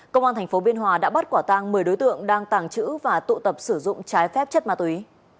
công an tp biên hòa đã bắt quả tang một mươi đối tượng đang tàng trữ và tụ tập sử dụng trái phép chất ma túy